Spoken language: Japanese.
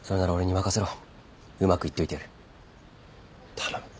頼む。